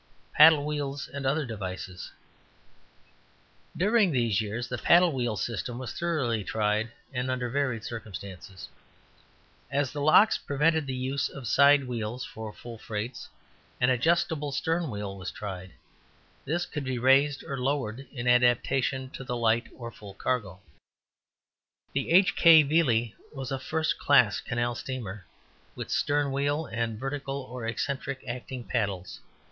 PADDLE WHEELS AND OTHER DEVICES. During these years the paddle wheel system was thoroughly tried, and under varied circumstances. As the locks prevented the use of side wheels for full freights, an adjustable stern wheel was tried. This could be raised or lowered in adaptation to the light or full cargo. The H. K. Viele was a first class canal steamer, with stern wheel and vertical, or excentric, acting paddles.